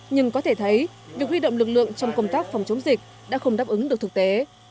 nhưng có thể thấy việc huy động lực lượng trong công tác phòng chống dịch đã không đáp ứng được thực tế